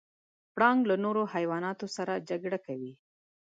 پړانګ له نورو حیواناتو سره جګړه کوي.